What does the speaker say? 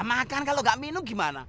makan kalau nggak minum gimana